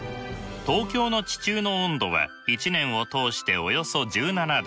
東京の地中の温度は一年を通しておよそ１７℃。